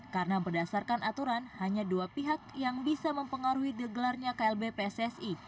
karena berdasarkan aturan hanya dua pihak yang bisa mempengaruhi degelarnya klb pssi